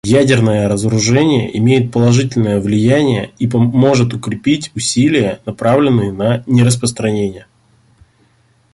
Ядерное разоружение имеет положительное влияние и поможет укрепить усилия, направленные на нераспространение.